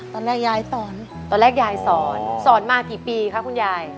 ยายสอนตอนแรกยายสอนสอนมากี่ปีคะคุณยาย